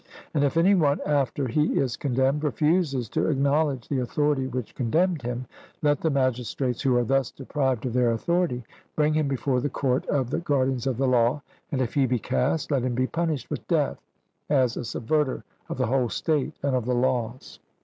And if any one after he is condemned refuses to acknowledge the authority which condemned him, let the magistrates who are thus deprived of their authority bring him before the court of the guardians of the law, and if he be cast, let him be punished with death, as a subverter of the whole state and of the laws.